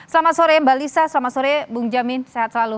selamat sore mbak lisa selamat sore bung jamin sehat selalu